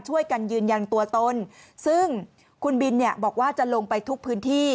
ช่วยกันยืนยันตัวตนซึ่งคุณบินเนี่ยบอกว่าจะลงไปทุกพื้นที่